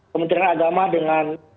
kementerian agama dengan